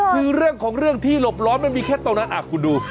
คือเรื่องของเรื่องที่หลบร้อนมันมีแค่ตรงนั้นคุณดู